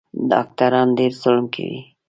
ډاکټران ډېر ظلم کوي